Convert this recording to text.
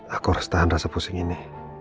aku harus tahan rasa pusing ini